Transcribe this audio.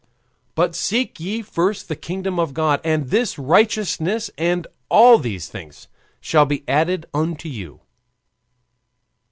"But seek ye first the kingdom of God, and his righteousness, and all these things shall be added unto you."